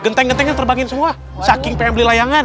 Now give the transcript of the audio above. genteng gentengnya terbangin semua saking pengen beli layangan